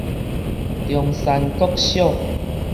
中山國小